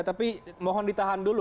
tapi mohon ditahan dulu